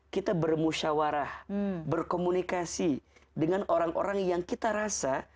kita bermusyawarah berkomunikasi dengan orang orang yang kita rasa